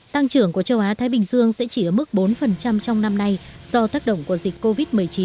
tăng trưởng của châu á thái bình dương sẽ chỉ ở mức bốn trong năm nay do tác động của dịch covid một mươi chín